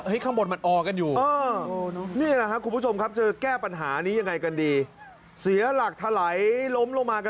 เห็นแม้ว่าจะเป็นไกลก็รู้ว่า